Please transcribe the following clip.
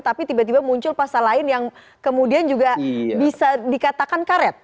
tapi tiba tiba muncul pasal lain yang kemudian juga bisa dikatakan karet